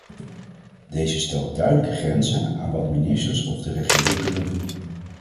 Deze stelt duidelijke grenzen aan wat ministers of de regering kunnen doen.